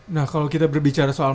nah kalau kita berbicara soal